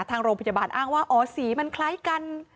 ทางโรงพยาบาลอ้างว่าอ๋อสีมันคล้ายกัน